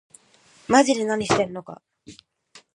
まぢで何してるのか